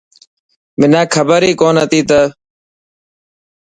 منا کبر هي ڪونه هتي ته.